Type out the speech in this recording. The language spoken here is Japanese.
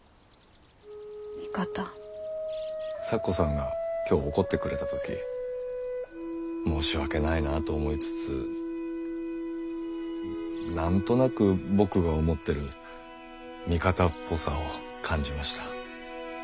咲子さんが今日怒ってくれた時申し訳ないなと思いつつ何となく僕が思ってる味方っぽさを感じました。